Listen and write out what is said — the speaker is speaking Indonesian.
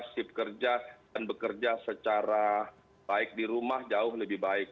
sip kerja dan bekerja secara baik di rumah jauh lebih baik